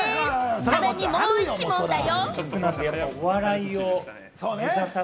さらに、もう一問だよ。